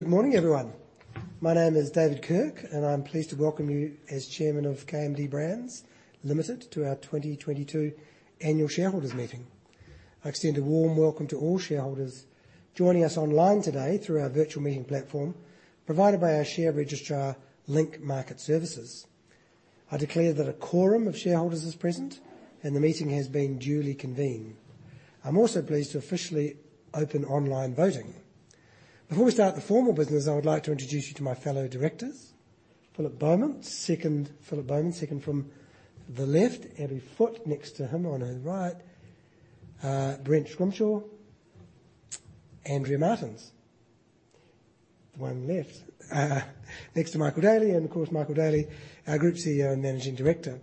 Good morning, everyone. My name is David Kirk, and I'm pleased to welcome you as chairman of KMD Brands Limited to our 2022 annual shareholders meeting. I extend a warm welcome to all shareholders joining us online today through our virtual meeting platform provided by our share registrar, Link Market Services. I declare that a quorum of shareholders is present, and the meeting has been duly convened. I'm also pleased to officially open online voting. Before we start the formal business, I would like to introduce you to my fellow directors, Philip Bowman, second from the left, Abby Foote next to him on his right, Brent Scrimshaw, Andrea Martens, the one left next to Michael Daly, and of course, Michael Daly, our Group CEO and Managing Director.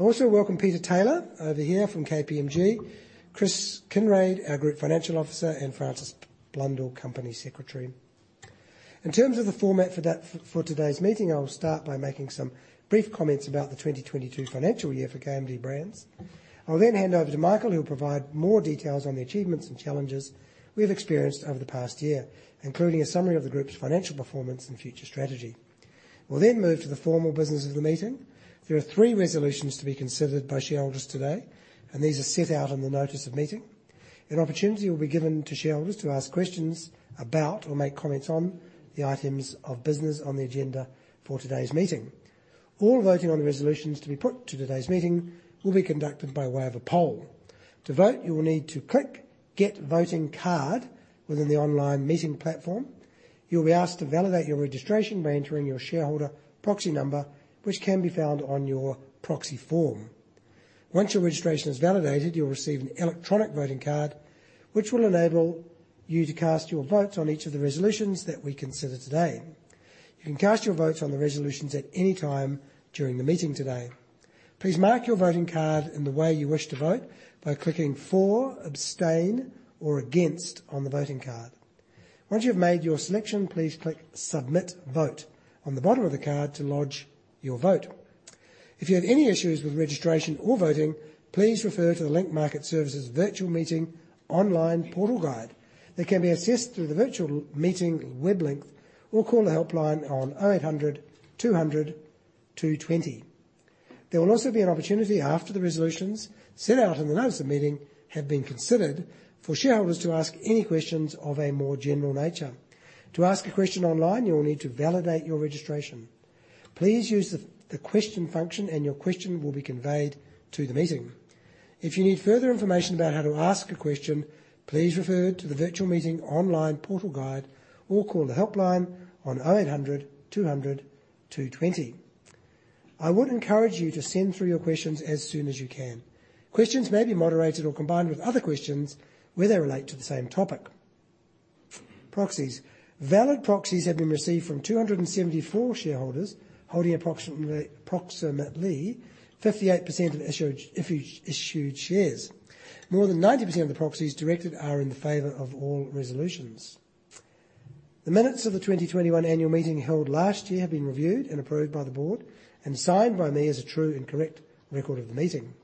I also welcome Peter Taylor over here from KPMG, Chris Kinraid, our Group Chief Financial Officer, and Frances Blundell, Company Secretary. In terms of the format for today's meeting, I will start by making some brief comments about the 2022 financial year for KMD Brands. I'll then hand over to Michael, who will provide more details on the achievements and challenges we have experienced over the past year, including a summary of the group's financial performance and future strategy. We'll then move to the formal business of the meeting. There are three resolutions to be considered by shareholders today, and these are set out in the notice of meeting. An opportunity will be given to shareholders to ask questions about or make comments on the items of business on the agenda for today's meeting. All voting on the resolutions to be put to today's meeting will be conducted by way of a poll. To vote, you will need to click Get Voting Card within the online meeting platform. You'll be asked to validate your registration by entering your shareholder proxy number, which can be found on your proxy form. Once your registration is validated, you'll receive an electronic voting card, which will enable you to cast your votes on each of the resolutions that we consider today. You can cast your votes on the resolutions at any time during the meeting today. Please mark your voting card in the way you wish to vote by clicking For, Abstain, or Against on the voting card. Once you've made your selection, please click Submit Vote on the bottom of the card to lodge your vote. If you have any issues with registration or voting, please refer to the Link Market Services Virtual Meeting Online Portal Guide that can be accessed through the virtual meeting web link or call the helpline on 0800 200 220. There will also be an opportunity after the resolutions set out in the notice of meeting have been considered for shareholders to ask any questions of a more general nature. To ask a question online, you will need to validate your registration. Please use the question function and your question will be conveyed to the meeting. If you need further information about how to ask a question, please refer to the Virtual Meeting Online Portal Guide or call the helpline on 0800 200 220. I would encourage you to send through your questions as soon as you can. Questions may be moderated or combined with other questions where they relate to the same topic. Proxies. Valid proxies have been received from 274 shareholders holding approximately 58% of issued shares. More than 90% of the proxies directed are in favor of all resolutions. The minutes of the 2021 annual meeting held last year have been reviewed and approved by the board and signed by me as a true and correct record of the meeting.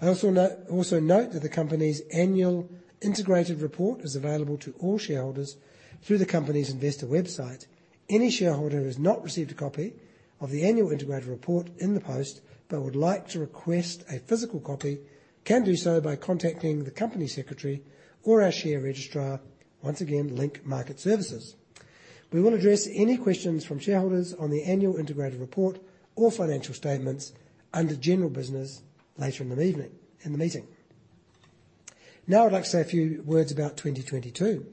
I also note that the company's annual integrated report is available to all shareholders through the company's investor website. Any shareholder who has not received a copy of the annual integrated report in the post but would like to request a physical copy can do so by contacting the Company Secretary or our share registrar, once again, Link Market Services. We will address any questions from shareholders on the annual integrated report or financial statements under general business later in the evening in the meeting. Now I'd like to say a few words about 2022.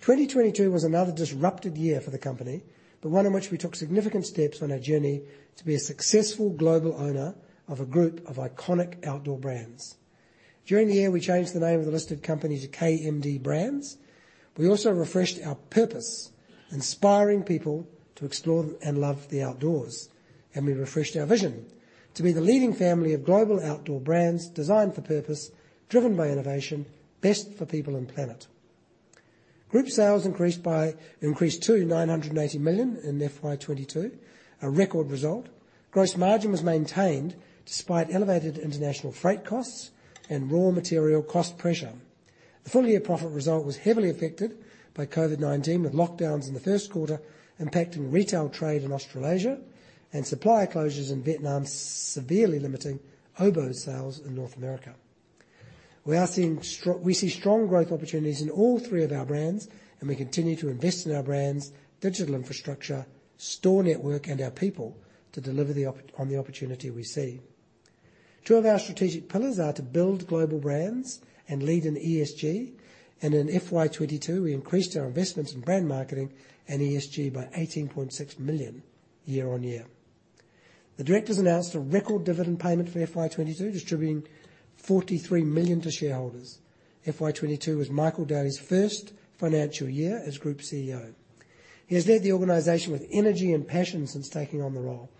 2022 was another disrupted year for the company, but one in which we took significant steps on our journey to be a successful global owner of a group of iconic outdoor brands. During the year, we changed the name of the listed company to KMD Brands. We also refreshed our purpose, inspiring people to explore and love the outdoors. We refreshed our vision to be the leading family of global outdoor brands designed for purpose, driven by innovation, best for people and planet. Group sales increased to 980 million in FY 2022, a record result. Gross margin was maintained despite elevated international freight costs and raw material cost pressure. The full-year profit result was heavily affected by COVID-19, with lockdowns in the first quarter impacting retail trade in Australasia and supplier closures in Vietnam severely limiting Oboz sales in North America. We see strong growth opportunities in all three of our brands, and we continue to invest in our brands, digital infrastructure, store network, and our people to deliver on the opportunity we see. Two of our strategic pillars are to build global brands and lead in ESG, and in FY 2022, we increased our investments in brand marketing and ESG by 18.6 million year-over-year. The directors announced a record dividend payment for FY 2022, distributing 43 million to shareholders. FY 2022 was Michael Daly's first financial year as Group CEO. He has led the organization with energy and passion since taking on the role.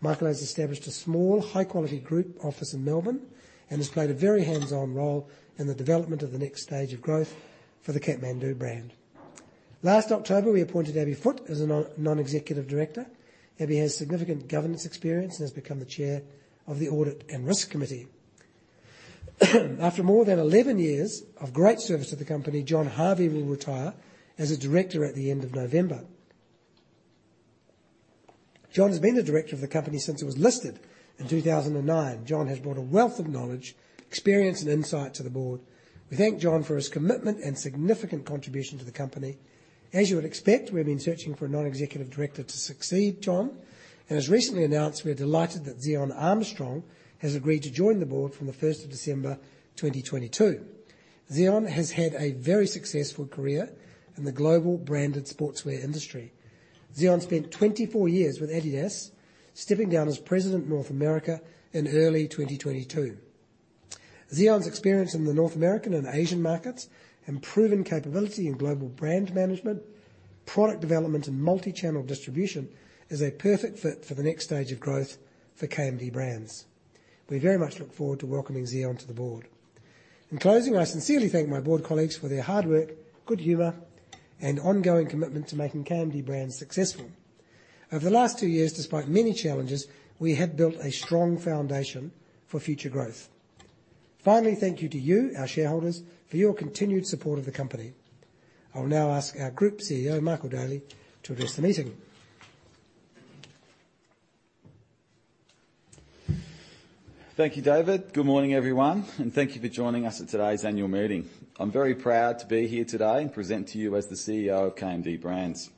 Michael has established a small, high-quality group office in Melbourne and has played a very hands-on role in the development of the next stage of growth for the Kathmandu brand. Last October, we appointed Abby Foote as a non-executive director. Abby has significant governance experience and has become the chair of the Audit and Risk Committee. After more than 11 years of great service to the company, John Harvey will retire as a director at the end of November. John has been a director of the company since it was listed in 2009. John has brought a wealth of knowledge, experience, and insight to the board. We thank John for his commitment and significant contribution to the company. As you would expect, we've been searching for a non-executive director to succeed John, and as recently announced, we are delighted that Zion Armstrong has agreed to join the board from the first of December 2022. Zion has had a very successful career in the global branded sportswear industry. Zion spent 24 years with Adidas, stepping down as President of North America in early 2022. Zion's experience in the North American and Asian markets, and proven capability in global brand management, product development, and multi-channel distribution, is a perfect fit for the next stage of growth for KMD Brands. We very much look forward to welcoming Zion to the board. In closing, I sincerely thank my board colleagues for their hard work, good humor, and ongoing commitment to making KMD Brands successful. Over the last two years, despite many challenges, we have built a strong foundation for future growth. Finally, thank you to you, our shareholders, for your continued support of the company. I will now ask our Group CEO, Michael Daly, to address the meeting. Thank you, David. Good morning, everyone, and thank you for joining us at today's annual meeting. I'm very proud to be here today and present to you as the CEO of KMD Brands.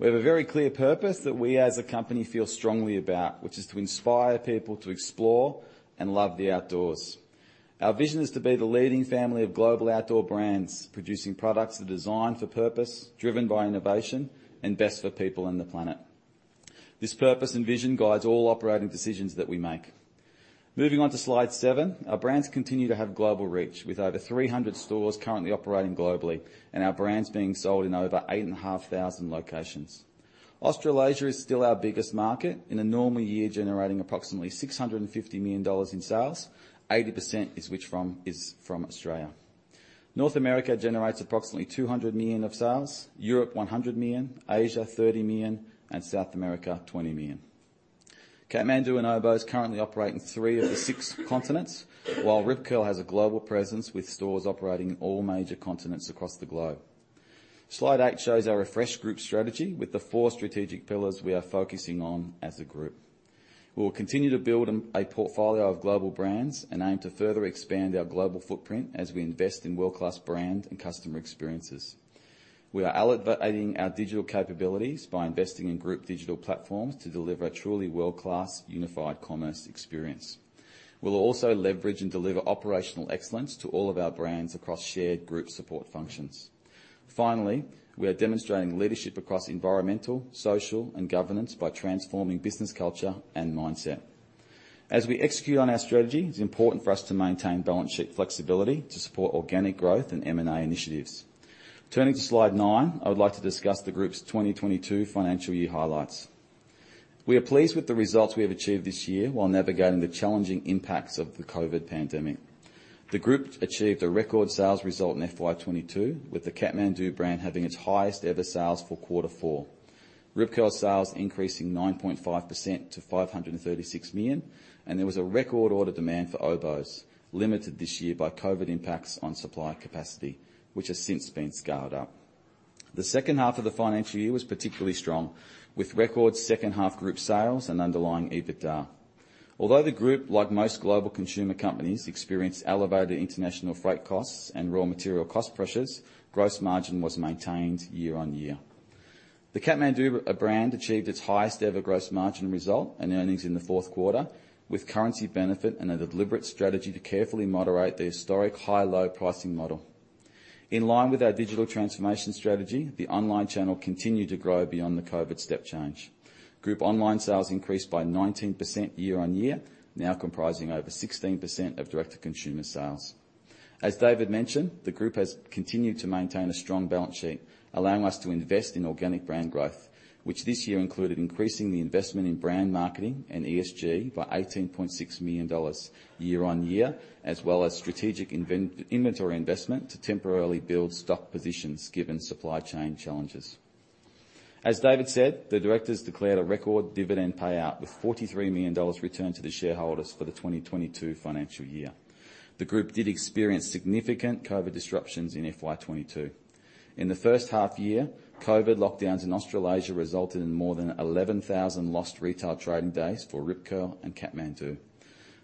We have a very clear purpose that we, as a company, feel strongly about, which is to inspire people to explore and love the outdoors. Our vision is to be the leading family of global outdoor brands, producing products that are designed for purpose, driven by innovation, and best for people and the planet. This purpose and vision guides all operating decisions that we make. Moving on to slide seven. Our brands continue to have global reach with over 300 stores currently operating globally, and our brands being sold in over 8,500 locations. Australasia is still our biggest market. In a normal year, generating approximately 650 million dollars in sales. 80% is from Australia. North America generates approximately 200 million of sales. Europe, 100 million. Asia, 30 million. South America, 20 million. Kathmandu and Oboz currently operate in three of the six continents, while Rip Curl has a global presence with stores operating in all major continents across the globe. Slide eight shows our refreshed group strategy with the four strategic pillars we are focusing on as a group. We will continue to build a portfolio of global brands and aim to further expand our global footprint as we invest in world-class brand and customer experiences. We are elevating our digital capabilities by investing in group digital platforms to deliver a truly world-class unified commerce experience. We'll also leverage and deliver operational excellence to all of our brands across shared group support functions. Finally, we are demonstrating leadership across environmental, social, and governance by transforming business culture and mindset. As we execute on our strategy, it's important for us to maintain balance sheet flexibility to support organic growth and M&A initiatives. Turning to slide nine. I would like to discuss the group's 2022 financial year highlights. We are pleased with the results we have achieved this year while navigating the challenging impacts of the COVID-19 pandemic. The group achieved a record sales result in FY 2022, with the Kathmandu brand having its highest ever sales for quarter four. Rip Curl sales increasing 9.5% to 536 million, and there was a record order demand for Oboz, limited this year by COVID impacts on supply capacity, which has since been scaled up. The second half of the financial year was particularly strong, with record second half group sales and underlying EBITDA. Although the group, like most global consumer companies, experienced elevated international freight costs and raw material cost pressures, gross margin was maintained year-on-year. The Kathmandu brand achieved its highest ever gross margin result and earnings in the fourth quarter, with currency benefit and a deliberate strategy to carefully moderate the historic high-low pricing model. In line with our digital transformation strategy, the online channel continued to grow beyond the COVID step change. Group online sales increased by 19% year-on-year, now comprising over 16% of direct consumer sales. As David mentioned, the group has continued to maintain a strong balance sheet, allowing us to invest in organic brand growth, which this year included increasing the investment in brand marketing and ESG by 18.6 million dollars year-on-year, as well as strategic inventory investment to temporarily build stock positions given supply chain challenges. As David said, the directors declared a record dividend payout with NZD 43 million returned to the shareholders for the 2022 financial year. The group did experience significant COVID disruptions in FY 2022. In the first half year, COVID lockdowns in Australasia resulted in more than 11,000 lost retail trading days for Rip Curl and Kathmandu.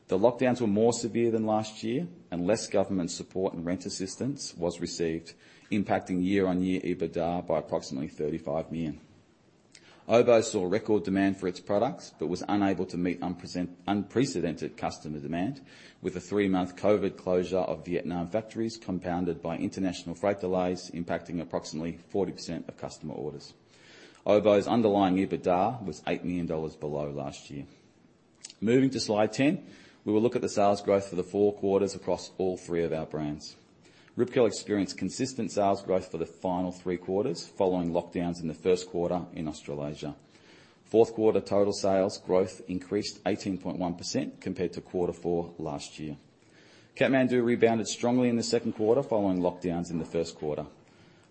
The lockdowns were more severe than last year, and less government support and rent assistance was received, impacting year-on-year EBITDA by approximately 35 million. Oboz saw record demand for its products, but was unable to meet unprecedented customer demand with a 3-month COVID closure of Vietnam factories, compounded by international freight delays impacting approximately 40% of customer orders. Oboz's underlying EBITDA was 8 million dollars below last year. Moving to slide 10. We will look at the sales growth for the four quarters across all three of our brands. Rip Curl experienced consistent sales growth for the final three quarters following lockdowns in the first quarter in Australasia. Fourth quarter total sales growth increased 18.1% compared to quarter four last year. Kathmandu rebounded strongly in the second quarter following lockdowns in the first quarter.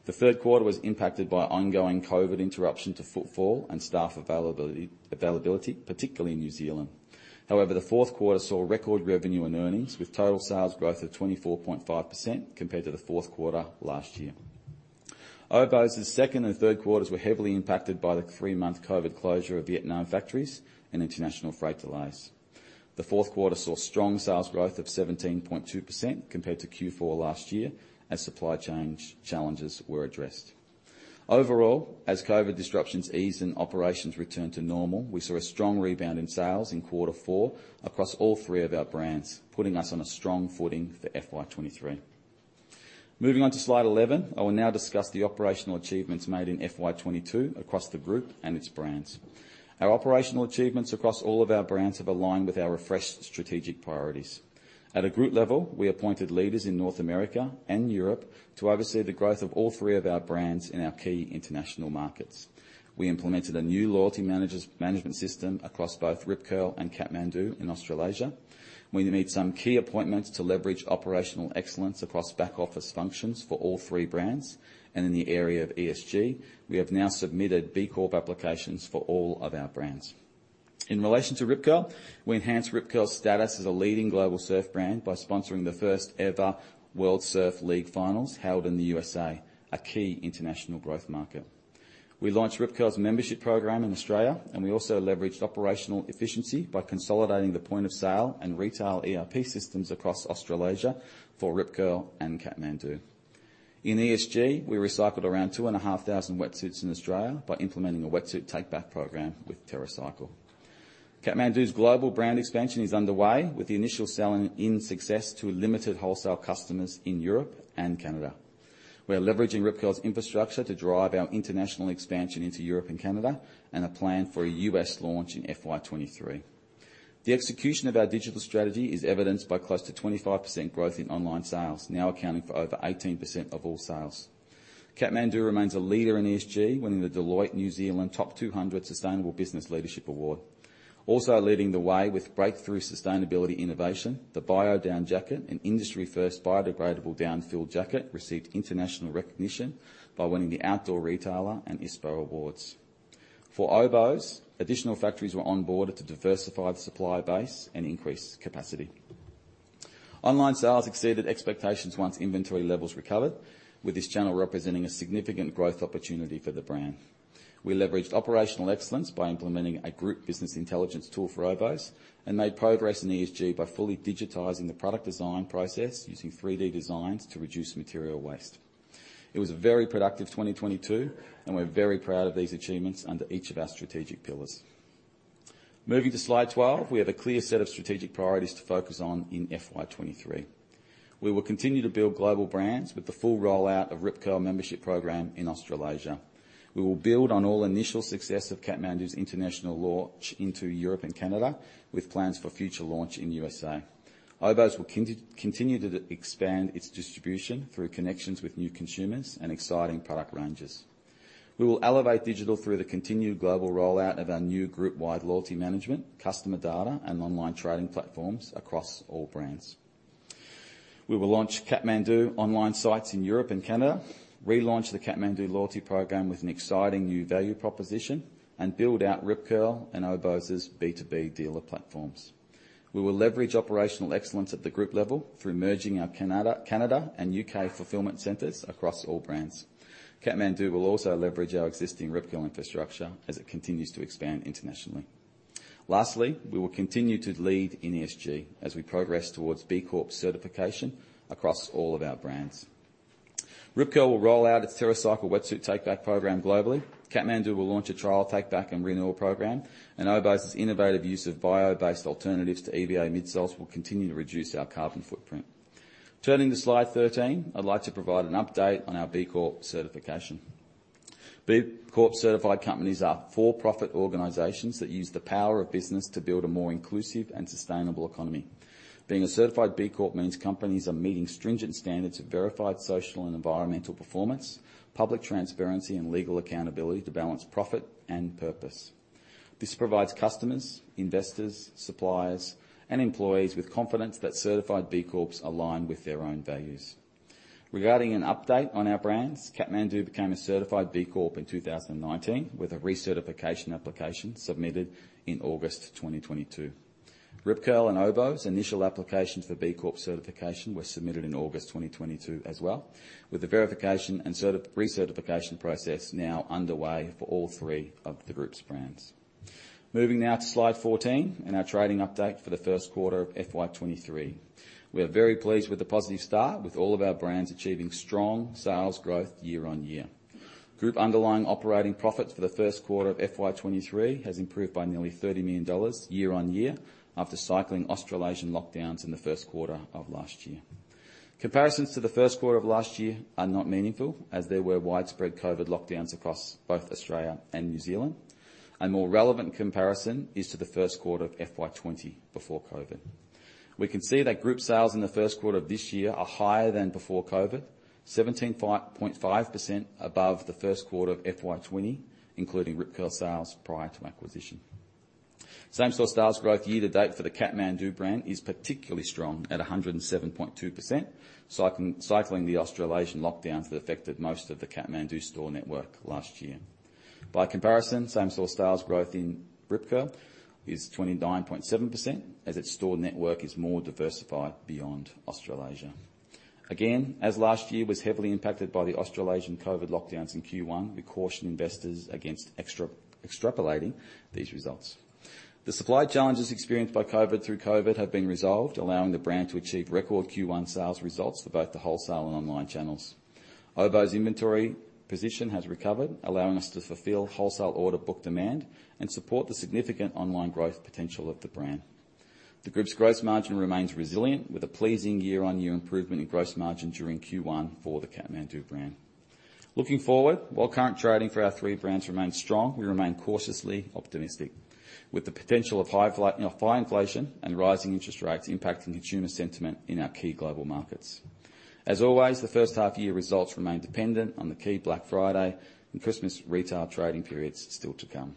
The third quarter was impacted by ongoing COVID interruption to footfall and staff availability, particularly in New Zealand. However, the fourth quarter saw record revenue and earnings with total sales growth of 24.5% compared to the fourth quarter last year. Oboz's second and third quarters were heavily impacted by the three-month COVID closure of Vietnam factories and international freight delays. The fourth quarter saw strong sales growth of 17.2% compared to Q4 last year as supply chain challenges were addressed. Overall, as COVID disruptions ease and operations return to normal, we saw a strong rebound in sales in quarter four across all three of our brands, putting us on a strong footing for FY 2023. Moving on to slide 11, I will now discuss the operational achievements made in FY 2022 across the group and its brands. Our operational achievements across all of our brands have aligned with our refreshed strategic priorities. At a group level, we appointed leaders in North America and Europe to oversee the growth of all three of our brands in our key international markets. We implemented a new loyalty management system across both Rip Curl and Kathmandu in Australasia. We made some key appointments to leverage operational excellence across back-office functions for all three brands. In the area of ESG, we have now submitted B Corp applications for all of our brands. In relation to Rip Curl, we enhanced Rip Curl's status as a leading global surf brand by sponsoring the first ever World Surf League finals held in the USA, a key international growth market. We launched Rip Curl's membership program in Australia, and we also leveraged operational efficiency by consolidating the point of sale and retail ERP systems across Australasia for Rip Curl and Kathmandu. In ESG, we recycled around 2,500 wetsuits in Australia by implementing a wetsuit take-back program with TerraCycle. Kathmandu's global brand expansion is underway with the initial sell-in success to limited wholesale customers in Europe and Canada. We are leveraging Rip Curl's infrastructure to drive our international expansion into Europe and Canada, and a plan for a US launch in FY 2023. The execution of our digital strategy is evidenced by close to 25% growth in online sales, now accounting for over 18% of all sales. Kathmandu remains a leader in ESG, winning the Deloitte New Zealand Top 200 Sustainable Business Leadership Award. Also leading the way with breakthrough sustainability innovation, the BioDown jacket, an industry-first biodegradable down-filled jacket, received international recognition by winning the Outdoor Retailer and ISPO awards. For Oboz, additional factories were onboarded to diversify the supply base and increase capacity. Online sales exceeded expectations once inventory levels recovered, with this channel representing a significant growth opportunity for the brand. We leveraged operational excellence by implementing a group business intelligence tool for Oboz and made progress in ESG by fully digitizing the product design process using 3D designs to reduce material waste. It was a very productive 2022, and we're very proud of these achievements under each of our strategic pillars. Moving to slide 12, we have a clear set of strategic priorities to focus on in FY 2023. We will continue to build global brands with the full rollout of Rip Curl membership program in Australasia. We will build on all initial success of Kathmandu's international launch into Europe and Canada, with plans for future launch in USA. Oboz will continue to expand its distribution through connections with new consumers and exciting product ranges. We will elevate digital through the continued global rollout of our new group-wide loyalty management, customer data, and online trading platforms across all brands. We will launch Kathmandu online sites in Europe and Canada, relaunch the Kathmandu loyalty program with an exciting new value proposition, and build out Rip Curl and Oboz's B2B dealer platforms. We will leverage operational excellence at the group level through merging our Canada and UK fulfillment centers across all brands. Kathmandu will also leverage our existing Rip Curl infrastructure as it continues to expand internationally. Lastly, we will continue to lead in ESG as we progress towards B Corp certification across all of our brands. Rip Curl will roll out its TerraCycle wetsuit take-back program globally. Kathmandu will launch a trial take-back and renewal program. Oboz's innovative use of bio-based alternatives to EVA midsoles will continue to reduce our carbon footprint. Turning to slide 13, I'd like to provide an update on our B Corp certification. B Corp-certified companies are for-profit organizations that use the power of business to build a more inclusive and sustainable economy. Being a certified B Corp means companies are meeting stringent standards of verified social and environmental performance, public transparency, and legal accountability to balance profit and purpose. This provides customers, investors, suppliers, and employees with confidence that certified B Corps align with their own values. Regarding an update on our brands, Kathmandu became a certified B Corp in 2019, with a recertification application submitted in August 2022. Rip Curl and Oboz initial application for B Corp certification were submitted in August 2022 as well, with the verification and recertification process now underway for all three of the group's brands. Moving now to slide 14 and our trading update for the first quarter of FY 2023. We are very pleased with the positive start with all of our brands achieving strong sales growth year-on-year. Group underlying operating profits for the first quarter of FY 2023 has improved by nearly 30 million dollars year-on-year after cycling Australasian lockdowns in the first quarter of last year. Comparisons to the first quarter of last year are not meaningful, as there were widespread COVID lockdowns across both Australia and New Zealand. A more relevant comparison is to the first quarter of FY 2020 before COVID. We can see that group sales in the first quarter of this year are higher than before COVID, 17.5% above the first quarter of FY 2020, including Rip Curl sales prior to acquisition. Same store sales growth year to date for the Kathmandu brand is particularly strong at 107.2%. Cycling the Australasian lockdowns that affected most of the Kathmandu store network last year. By comparison, same store sales growth in Rip Curl is 29.7% as its store network is more diversified beyond Australasia. Again, as last year was heavily impacted by the Australasian COVID lockdowns in Q1, we caution investors against extrapolating these results. The supply challenges experienced through COVID have been resolved, allowing the brand to achieve record Q1 sales results for both the wholesale and online channels. Oboz's inventory position has recovered, allowing us to fulfill wholesale order book demand and support the significant online growth potential of the brand. The group's gross margin remains resilient with a pleasing year-on-year improvement in gross margin during Q1 for the Kathmandu brand. Looking forward, while current trading for our three brands remains strong, we remain cautiously optimistic, with the potential of high inflation and rising interest rates impacting consumer sentiment in our key global markets. As always, the first half year results remain dependent on the key Black Friday and Christmas retail trading periods still to come.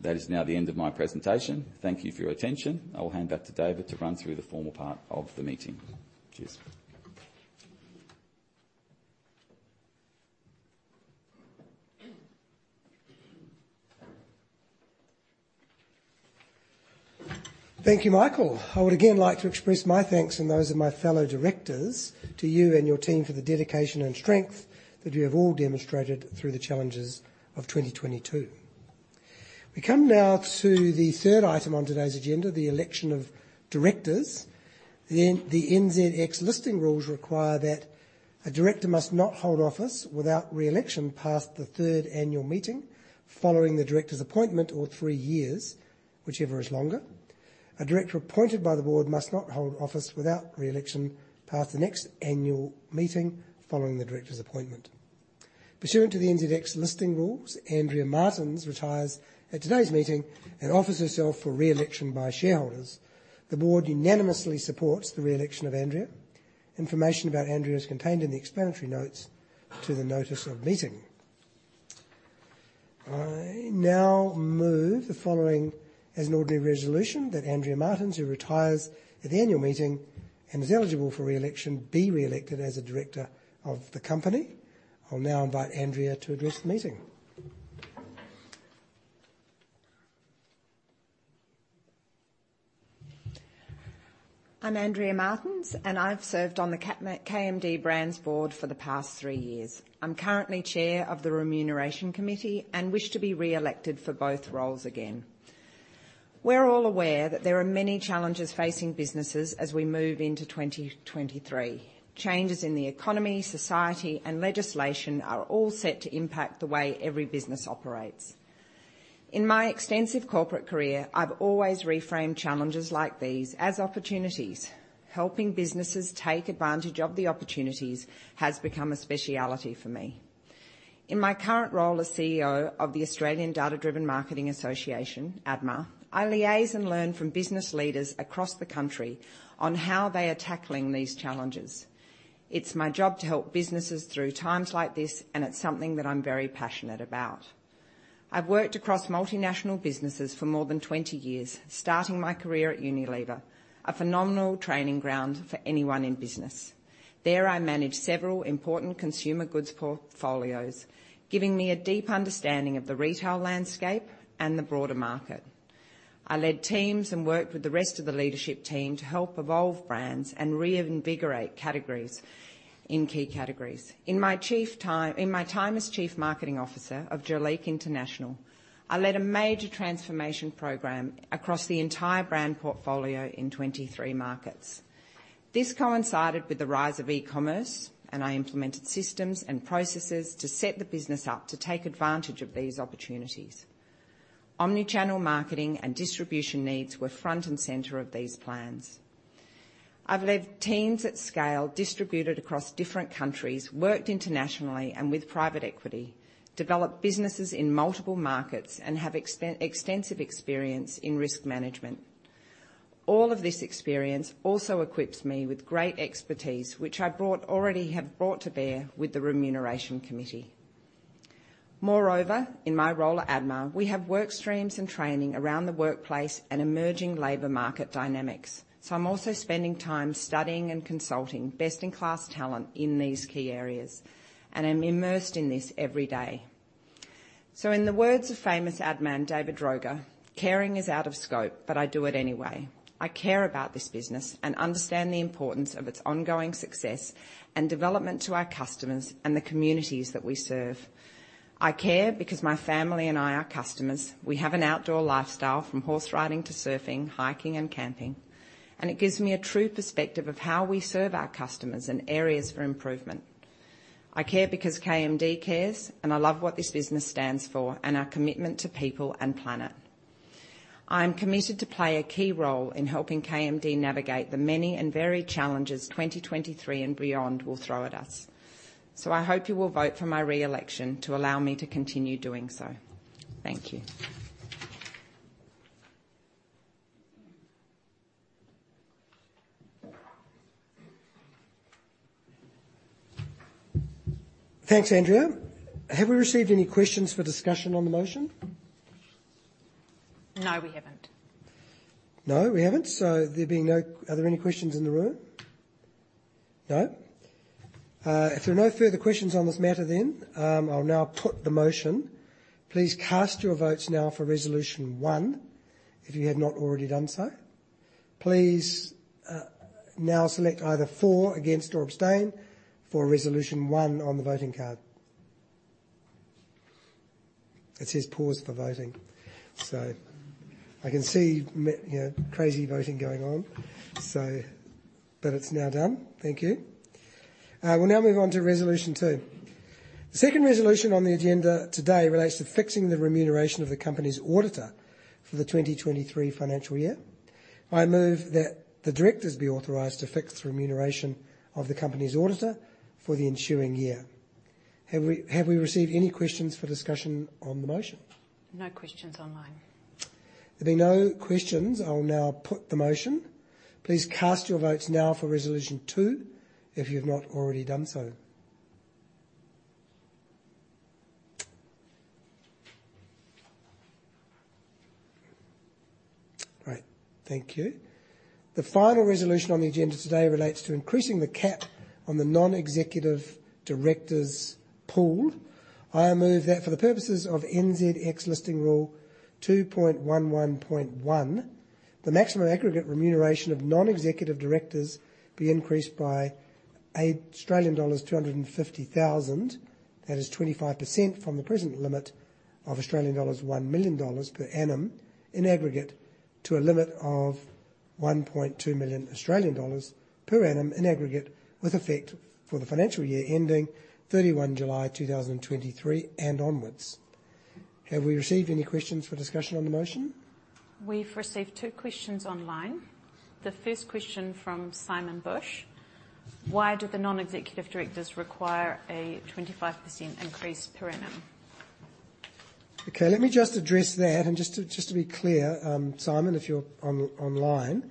That is now the end of my presentation. Thank you for your attention. I will hand back to David to run through the formal part of the meeting. Cheers. Thank you, Michael. I would again like to express my thanks and those of my fellow directors to you and your team for the dedication and strength that you have all demonstrated through the challenges of 2022. We come now to the third item on today's agenda, the election of directors. The NZX listing rules require that a director must not hold office without re-election past the third annual meeting following the director's appointment or three years, whichever is longer. A director appointed by the board must not hold office without re-election past the next annual meeting following the director's appointment. Pursuant to the NZX listing rules, Andrea Martens retires at today's meeting and offers herself for re-election by shareholders. The board unanimously supports the re-election of Andrea. Information about Andrea is contained in the explanatory notes to the notice of meeting. I now move the following as an ordinary resolution that Andrea Martens, who retires at the annual meeting and is eligible for re-election, be re-elected as a director of the company. I'll now invite Andrea to address the meeting. I'm Andrea Martens, and I've served on the KMD Brands board for the past three years. I'm currently chair of the Remuneration Committee and wish to be re-elected for both roles again. We're all aware that there are many challenges facing businesses as we move into 2023. Changes in the economy, society, and legislation are all set to impact the way every business operates. In my extensive corporate career, I've always reframed challenges like these as opportunities. Helping businesses take advantage of the opportunities has become a specialty for me. In my current role as CEO of the Association for Data-driven Marketing and Advertising, ADMA, I liaise and learn from business leaders across the country on how they are tackling these challenges. It's my job to help businesses through times like this, and it's something that I'm very passionate about. I've worked across multinational businesses for more than 20 years, starting my career at Unilever, a phenomenal training ground for anyone in business. There, I managed several important consumer goods portfolios, giving me a deep understanding of the retail landscape and the broader market. I led teams and worked with the rest of the leadership team to help evolve brands and reinvigorate categories in key categories. In my time as Chief Marketing Officer of Jurlique International, I led a major transformation program across the entire brand portfolio in 23 markets. This coincided with the rise of e-commerce, and I implemented systems and processes to set the business up to take advantage of these opportunities. Omnichannel marketing and distribution needs were front and center of these plans. I've led teams at scale, distributed across different countries, worked internationally and with private equity, developed businesses in multiple markets, and have extensive experience in risk management. All of this experience also equips me with great expertise, which already have brought to bear with the Remuneration Committee. Moreover, in my role at ADMA, we have work streams and training around the workplace and emerging labor market dynamics. I'm also spending time studying and consulting best-in-class talent in these key areas. I'm immersed in this every day. In the words of famous ad man, David Ogilvy, "Caring is out of scope, but I do it anyway." I care about this business and understand the importance of its ongoing success and development to our customers and the communities that we serve. I care because my family and I are customers. We have an outdoor lifestyle from horse riding to surfing, hiking, and camping, and it gives me a true perspective of how we serve our customers and areas for improvement. I care because KMD cares, and I love what this business stands for and our commitment to people and planet. I am committed to play a key role in helping KMD navigate the many and varied challenges 2023 and beyond will throw at us. I hope you will vote for my re-election to allow me to continue doing so. Thank you. Thanks, Andrea. Have we received any questions for discussion on the motion? No, we haven't. No, we haven't. There being no questions in the room? No? If there are no further questions on this matter then, I'll now put the motion. Please cast your votes now for resolution one, if you have not already done so. Please, now select either for, against, or abstain for resolution one on the voting card. It says pause for voting. I can see you know, crazy voting going on. It's now done. Thank you. We'll now move on to resolution two. The second resolution on the agenda today relates to fixing the remuneration of the company's auditor for the 2023 financial year. I move that the directors be authorized to fix the remuneration of the company's auditor for the ensuing year. Have we received any questions for discussion on the motion? No questions online. There being no questions, I will now put the motion. Please cast your votes now for resolution two if you've not already done so. Great, thank you. The final resolution on the agenda today relates to increasing the cap on the non-executive directors' pool. I move that for the purposes of NZX Listing Rule 2.11.1, the maximum aggregate remuneration of non-executive directors be increased by Australian dollars 250,000. That is 25% from the present limit of 1 million dollars per annum in aggregate, to a limit of 1.2 million Australian dollars per annum in aggregate, with effect for the financial year ending 31 July 2023 and onwards. Have we received any questions for discussion on the motion? We've received two questions online. The first question from Simon Bush: Why do the non-executive directors require a 25% increase per annum? Okay, let me just address that. Just to be clear, Simon, if you're online,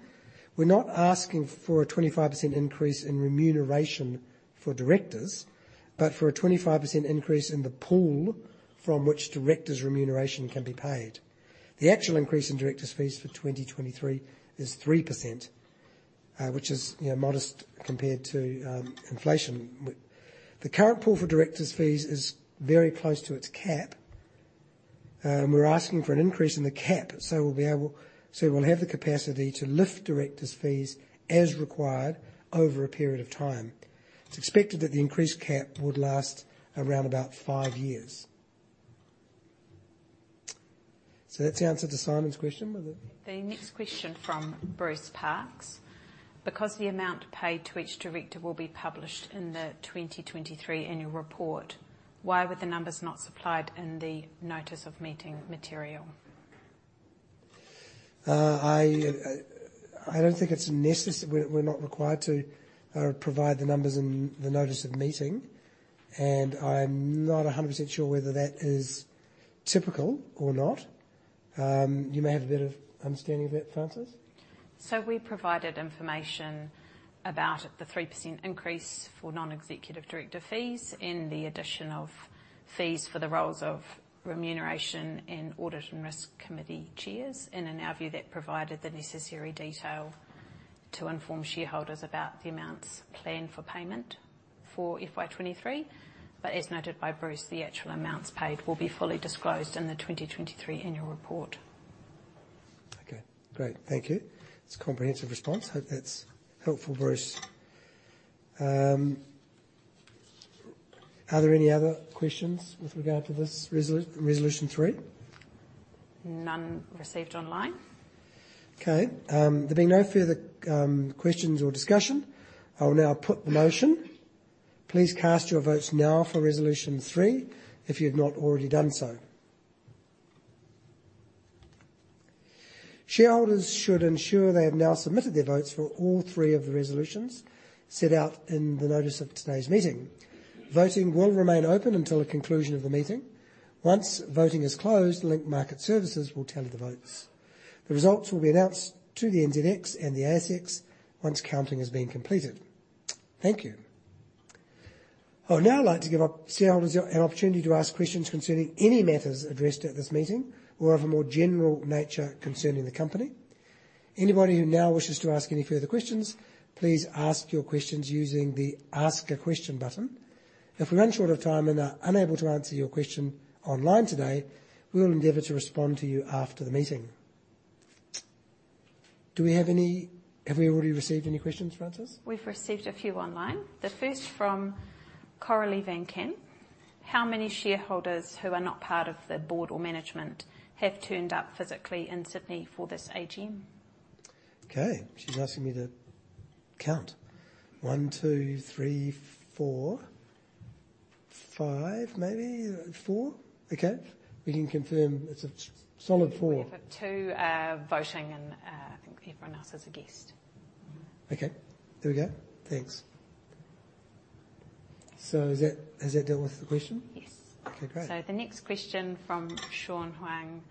we're not asking for a 25% increase in remuneration for directors, but for a 25% increase in the pool from which directors' remuneration can be paid. The actual increase in directors' fees for 2023 is 3%, which is, you know, modest compared to inflation. The current pool for directors' fees is very close to its cap, and we're asking for an increase in the cap, so we'll have the capacity to lift directors' fees as required over a period of time. It's expected that the increased cap would last around about 5 years. That's the answer to Simon's question, was it? The next question from Bruce Parks: Because the amount paid to each director will be published in the 2023 annual report, why were the numbers not supplied in the notice of meeting material? I don't think it's necessary. We're not required to provide the numbers in the notice of meeting, and I'm not 100% sure whether that is typical or not. You may have a bit of understanding of that, Frances. We provided information about the 3% increase for non-executive director fees and the addition of fees for the roles of Remuneration and Audit and Risk Committee chairs. In our view, that provided the necessary detail to inform shareholders about the amounts planned for payment for FY 2023. As noted by Bruce, the actual amounts paid will be fully disclosed in the 2023 annual report. Okay, great. Thank you. It's a comprehensive response. Hope that's helpful, Bruce. Are there any other questions with regard to this resolution three? None received online. Okay. There being no further questions or discussion, I will now put the motion. Please cast your votes now for resolution three if you've not already done so. Shareholders should ensure they have now submitted their votes for all three of the resolutions set out in the notice of today's meeting. Voting will remain open until the conclusion of the meeting. Once voting is closed, Link Market Services will tally the votes. The results will be announced to the NZX and the ASX once counting has been completed. Thank you. I would now like to give shareholders an opportunity to ask questions concerning any matters addressed at this meeting or of a more general nature concerning the company. Anybody who now wishes to ask any further questions, please ask your questions using the Ask a Question button. If we run short of time and are unable to answer your question online today, we will endeavor to respond to you after the meeting. Have we already received any questions, Frances? We've received a few online. The first from Coralie Van Kemp: How many shareholders who are not part of the board or management have turned up physically in Sydney for this AGM? Okay. She's asking me to count. 1, 2, 3, 4, 5, maybe. 4? Okay. We can confirm it's a solid 4. We have two voting and I think everyone else is a guest. Okay. There we go. Thanks. Has that dealt with the question? Yes. The next question from Sean Huang.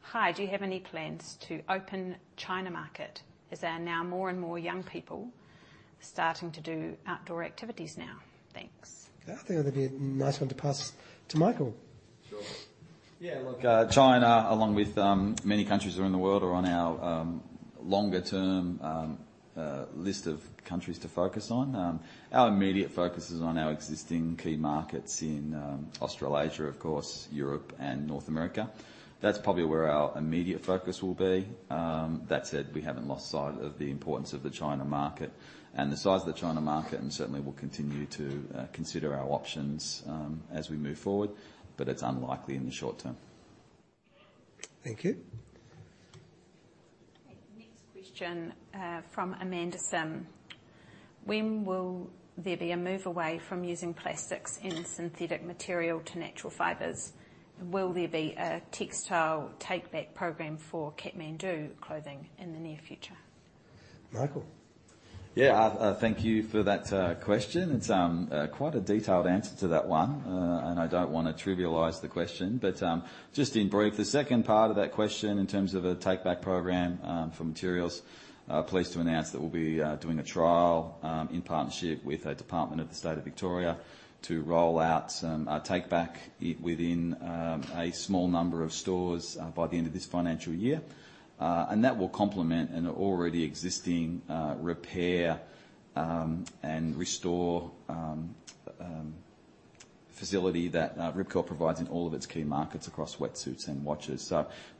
"Hi, do you have any plans to open China market as there are now more and more young people starting to do outdoor activities now? Thanks. Okay. I think that'd be a nice one to pass to Michael. Sure. Yeah, look, China, along with many countries around the world are on our longer term list of countries to focus on. Our immediate focus is on our existing key markets in Australasia, of course, Europe and North America. That's probably where our immediate focus will be. That said, we haven't lost sight of the importance of the China market and the size of the China market, and certainly we'll continue to consider our options as we move forward, but it's unlikely in the short term. Thank you. Okay. Next question from Amanda Sim. "When will there be a move away from using plastics in synthetic material to natural fibers? Will there be a textile take-back program for Kathmandu clothing in the near future? Michael. Yeah. Thank you for that question. It's quite a detailed answer to that one. I don't wanna trivialize the question, but just in brief, the second part of that question in terms of a take back program for materials, pleased to announce that we'll be doing a trial in partnership with a department of the State of Victoria to roll out some take back within a small number of stores by the end of this financial year. That will complement an already existing repair and restore facility that Rip Curl provides in all of its key markets across wetsuits and watches.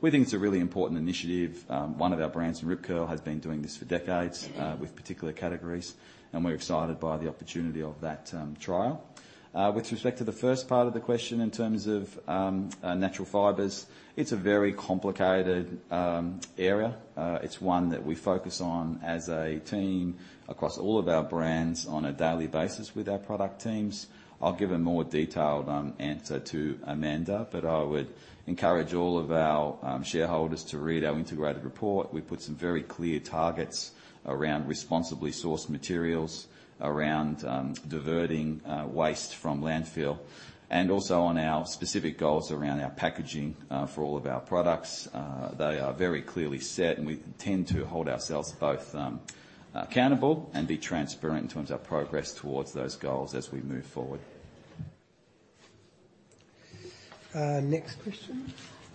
We think it's a really important initiative. One of our brands in Rip Curl has been doing this for decades. Mm-hmm. With particular categories, and we're excited by the opportunity of that trial. With respect to the first part of the question, in terms of natural fibers, it's a very complicated area. It's one that we focus on as a team across all of our brands on a daily basis with our product teams. I'll give a more detailed answer to Amanda, but I would encourage all of our shareholders to read our integrated report. We put some very clear targets around responsibly sourced materials, around diverting waste from landfill, and also on our specific goals around our packaging for all of our products. They are very clearly set, and we intend to hold ourselves both accountable and be transparent in terms of progress towards those goals as we move forward. Next question.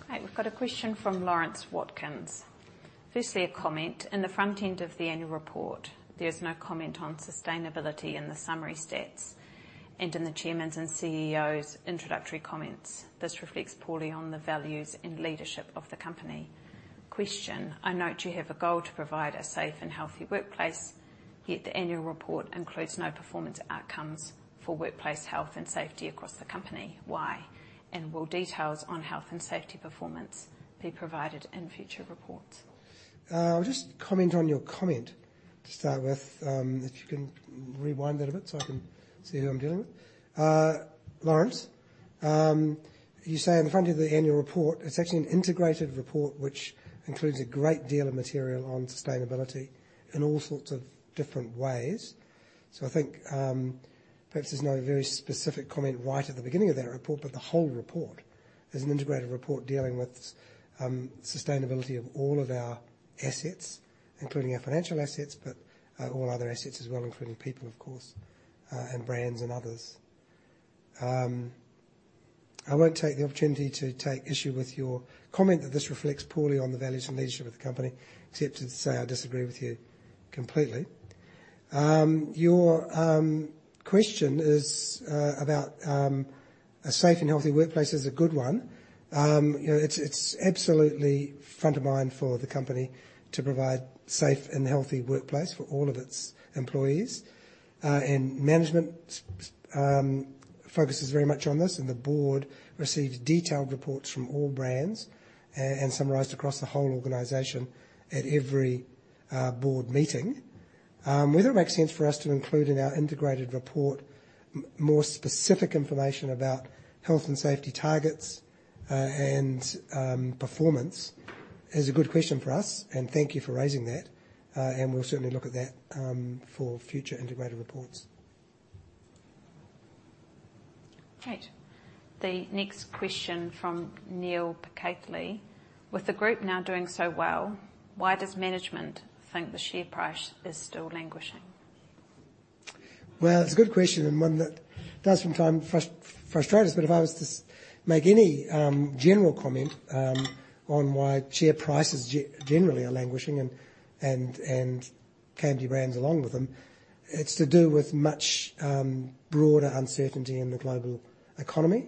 Great. We've got a question from Lawrence Watkins. Firstly, a comment. In the front end of the annual report, there's no comment on sustainability in the summary stats and in the chairman's and CEO's introductory comments. This reflects poorly on the values and leadership of the company. Question: I note you have a goal to provide a safe and healthy workplace, yet the annual report includes no performance outcomes for workplace health and safety across the company. Why? And will details on health and safety performance be provided in future reports? I'll just comment on your comment to start with. If you can rewind that a bit so I can see who I'm dealing with. Lawrence, you say in the front of the annual report. It's actually an integrated report, which includes a great deal of material on sustainability in all sorts of different ways. I think, perhaps there's no very specific comment right at the beginning of that report, but the whole report is an integrated report dealing with sustainability of all of our assets, including our financial assets, but all other assets as well, including people, of course, and brands and others. I won't take the opportunity to take issue with your comment that this reflects poorly on the values and leadership of the company, except to say I disagree with you completely. Your question about a safe and healthy workplace is a good one. You know, it's absolutely front of mind for the company to provide safe and healthy workplace for all of its employees. Management focuses very much on this, and the board receives detailed reports from all brands and summarized across the whole organization at every board meeting. Whether it makes sense for us to include in our integrated report more specific information about health and safety targets and performance is a good question for us, and thank you for raising that. We'll certainly look at that for future integrated reports. Great. The next question from Neil Pathley. With the group now doing so well, why does management think the share price is still languishing? Well, it's a good question, and one that does sometimes frustrate us. If I was to make any general comment on why share prices generally are languishing and KMD Brands along with them, it's to do with much broader uncertainty in the global economy.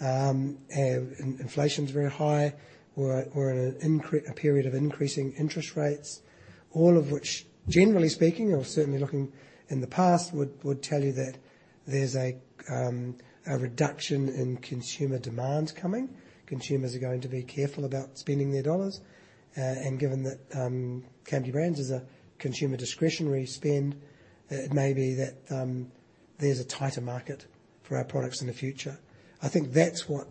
Inflation is very high. We're at a period of increasing interest rates, all of which, generally speaking, or certainly looking in the past, would tell you that there's a reduction in consumer demand coming. Consumers are going to be careful about spending their dollars. Given that, KMD Brands is a consumer discretionary spend, it may be that there's a tighter market for our products in the future. I think that's what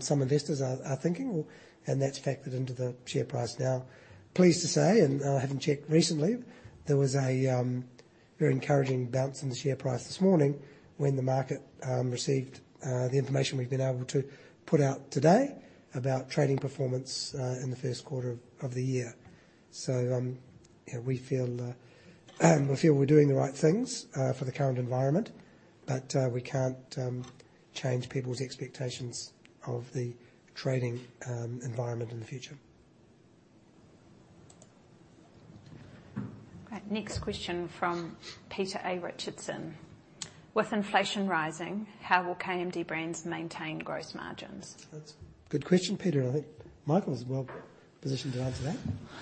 some investors are thinking, and that's factored into the share price now. Pleased to say, and I haven't checked recently, there was a very encouraging bounce in the share price this morning when the market received the information we've been able to put out today about trading performance in the first quarter of the year. Yeah, we feel we're doing the right things for the current environment, but we can't change people's expectations of the trading environment in the future. All right, next question from Peter A Richardson. With inflation rising, how will KMD Brands maintain gross margins? That's a good question, Peter. I think Michael is well-positioned to answer that.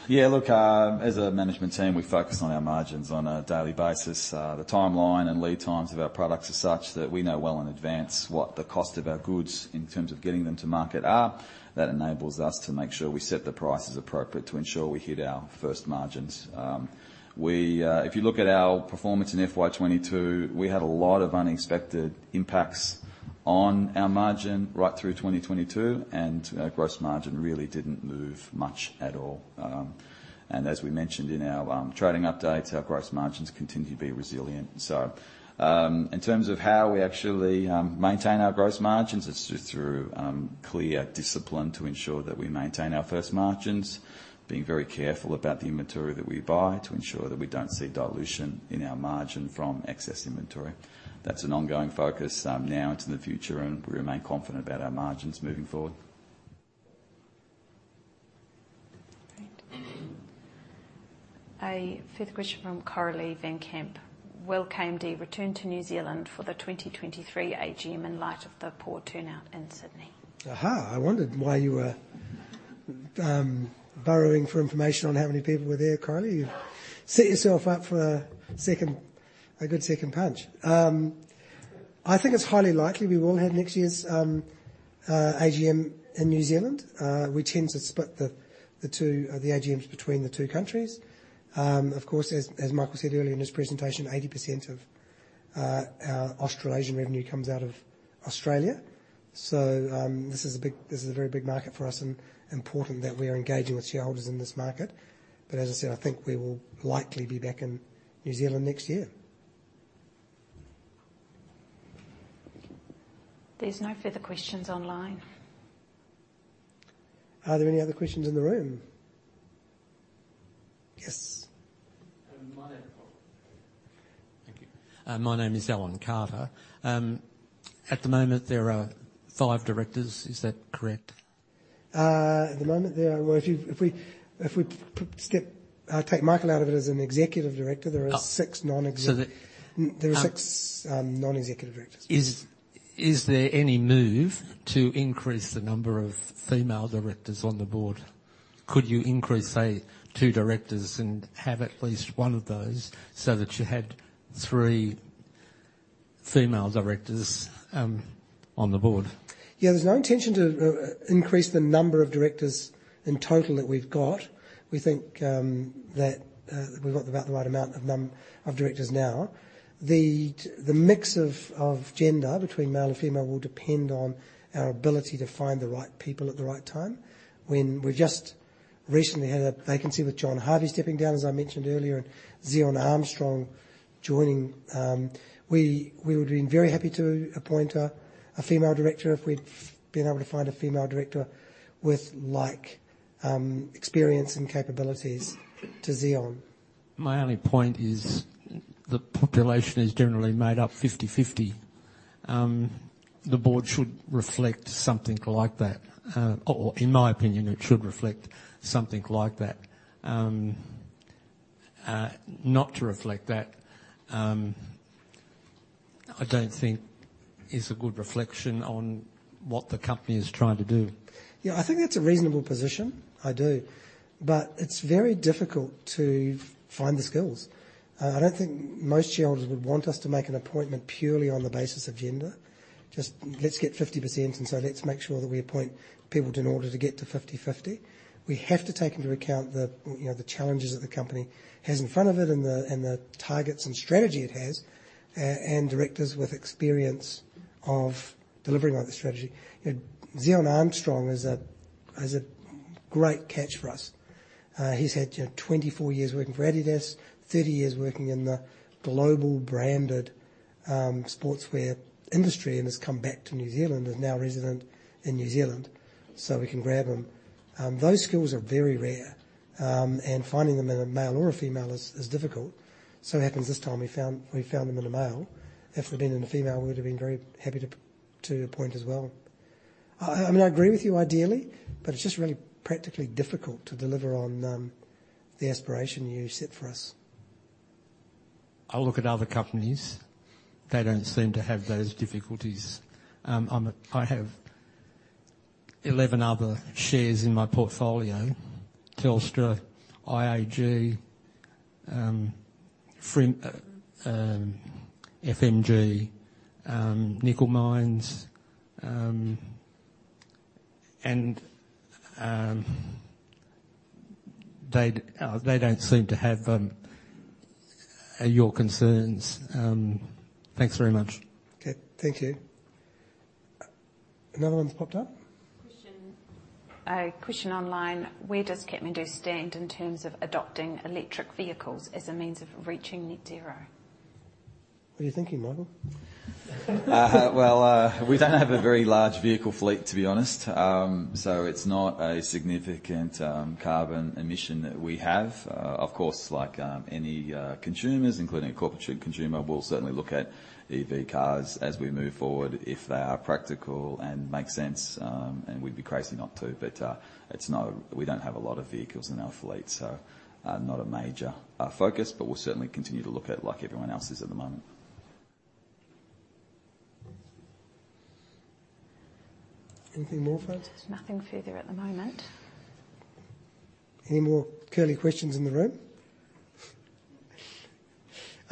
Yeah. Look, as a management team, we focus on our margins on a daily basis. The timeline and lead times of our products are such that we know well in advance what the cost of our goods in terms of getting them to market are. That enables us to make sure we set the prices appropriate to ensure we hit our first margins. If you look at our performance in FY 2022, we had a lot of unexpected impacts on our margin right through 2022, and our gross margin really didn't move much at all. As we mentioned in our trading updates, our gross margins continue to be resilient. In terms of how we actually maintain our gross margins, it's just through clear discipline to ensure that we maintain our first margins. Being very careful about the inventory that we buy to ensure that we don't see dilution in our margin from excess inventory. That's an ongoing focus, now into the future, and we remain confident about our margins moving forward. Great. A fifth question from Coralie Van Kemp. Will KMD return to New Zealand for the 2023 AGM in light of the poor turnout in Sydney? I wondered why you were burrowing for information on how many people were there, Coralie. You've set yourself up for a second, a good second punch. I think it's highly likely we will have next year's AGM in New Zealand. We tend to split the two AGMs between the two countries. Of course, as Michael said earlier in his presentation, 80% of our Australasian revenue comes out of Australia. This is a very big market for us and important that we are engaging with shareholders in this market. As I said, I think we will likely be back in New Zealand next year. There's no further questions online. Are there any other questions in the room? Yes. Thank you. My name is Alan Carter. At the moment, there are five directors. Is that correct? At the moment. Well, if we take Michael out of it as an executive director, there are six non-executive So the- There are six non-executive directors. Is there any move to increase the number of female directors on the board? Could you increase, say, two directors and have at least one of those so that you had three female directors on the board? Yeah, there's no intention to increase the number of directors in total that we've got. We think that we've got about the right amount of directors now. The mix of gender between male and female will depend on our ability to find the right people at the right time. When we've just recently had a vacancy with John Harvey stepping down, as I mentioned earlier, and Zion Armstrong joining, we would've been very happy to appoint a female director if we'd been able to find a female director with like experience and capabilities to Zion. My only point is the population is generally made up 50/50. The board should reflect something like that. In my opinion, it should reflect something like that. Not to reflect that, I don't think is a good reflection on what the company is trying to do. Yeah. I think that's a reasonable position. I do. It's very difficult to find the skills. I don't think most shareholders would want us to make an appointment purely on the basis of gender. Just let's get 50%, and so let's make sure that we appoint people in order to get to 50/50. We have to take into account the, you know, the challenges that the company has in front of it and the targets and strategy it has, and directors with experience of delivering on the strategy. Zion Armstrong is a great catch for us. He's had, you know, 24 years working for Adidas, 30 years working in the global branded sportswear industry and has come back to New Zealand, and now resident in New Zealand, so we can grab him. Those skills are very rare. Finding them in a male or a female is difficult. It happens this time we found them in a male. If we'd been in a female, we would've been very happy to appoint as well. I mean, I agree with you ideally, but it's just really practically difficult to deliver on the aspiration you set for us. I look at other companies. They don't seem to have those difficulties. I have 11 other shares in my portfolio, Telstra, IAG, FMG, Nickel Mines. They don't seem to have your concerns. Thanks very much. Okay. Thank you. Another one's popped up. Question. A question online. Where does Kathmandu stand in terms of adopting electric vehicles as a means of reaching net zero? What are you thinking, Michael? Well, we don't have a very large vehicle fleet, to be honest. So it's not a significant carbon emission that we have. Of course, like any consumers, including a corporate consumer, we'll certainly look at EV cars as we move forward if they are practical and make sense. We'd be crazy not to. It's not. We don't have a lot of vehicles in our fleet, so not a major focus, but we'll certainly continue to look at like everyone else is at the moment. Anything more, folks? There's nothing further at the moment. Any more curly questions in the room?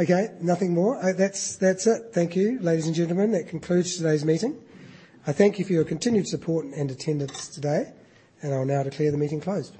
Okay, nothing more. That's it. Thank you, ladies and gentlemen. That concludes today's meeting. I thank you for your continued support and attendance today, and I'll now declare the meeting closed.